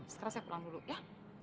sekarang saya pulang dulu ya